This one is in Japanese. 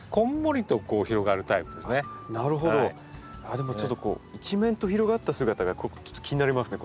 でもちょっと一面と広がった姿が気になりますね